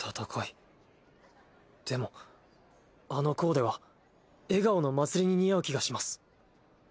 でもあのコーデは笑顔のまつりに似合う気がします。